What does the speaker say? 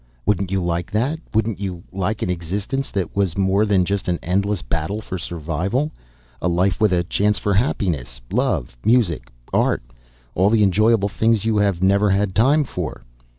Wouldn't you like that? Wouldn't you like an existence that was more than just an endless battle for survival? A life with a chance for happiness, love, music, art all the enjoyable things you have never had the time for."